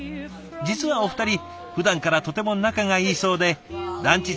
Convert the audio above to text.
実はお二人ふだんからとても仲がいいそうでランチ